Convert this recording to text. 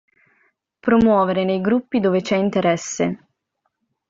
Promuovere nei gruppi dove c'è interesse.